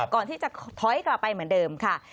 ก่อนที่จะถอยกลับไปเหมือนเดิมค่ะ